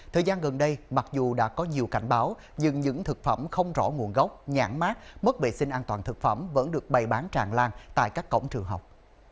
thời gian gần đây mặc dù đã có nhiều cảnh báo nhưng những thực phẩm không rõ nguồn gốc nhãn mát mất vệ sinh an toàn thực phẩm vẫn được bày bán tràn lan tại các cổng trường học